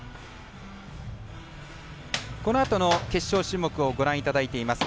このあとの決勝種目をご覧いただいています。